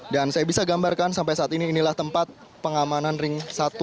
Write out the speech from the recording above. dan saya bisa gambarkan sampai saat ini inilah tempat pengamanan ring satu